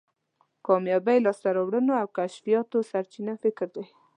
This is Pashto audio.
کامیابی، لاسته راوړنو او کشفیاتو سرچینه فکر دی.